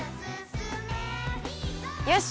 よし！